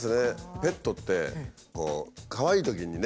ペットってこうかわいいときにね